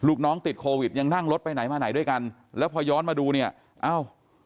ลูกน้องติดโควิดยังนั่งรถไปไหนมาไหนด้วยกันแล้วพอย้อนมาดูเนี่ยเอ้า